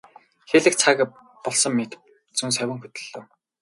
Хэлэх цаг нь болсон мэт зөн совин хөтөллөө.